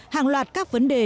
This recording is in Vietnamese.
hàng loạt các vấn đề